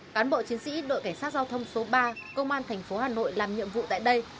cán bộ chiến sĩ đội cảnh sát giao thông số ba công an thành phố hà nội làm nhiệm vụ tại đây